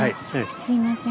すいません